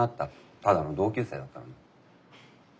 ただの同級生だったのに。